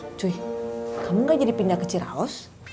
cuy kamu gak jadi pindah ke ciraos